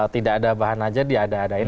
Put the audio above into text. tidak ada bahan aja diada adain